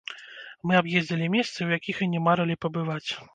Мы аб'ездзілі месцы, у якіх і не марылі пабываць.